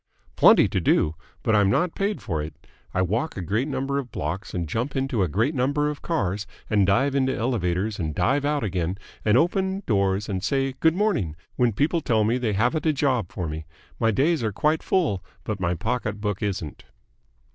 "Plenty to do. But I'm not paid for it. I walk a great number of blocks and jump into a great number of cars and dive into elevators and dive out again and open doors and say 'Good morning' when people tell me they haven't a job for me. My days are quite full, but my pocket book isn't!"